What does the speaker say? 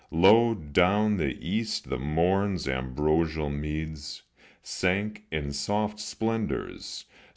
Low down the east the morn's ambrosial meads Sank in soft splendors.